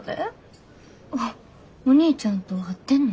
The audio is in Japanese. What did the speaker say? おお兄ちゃんと会ってんの？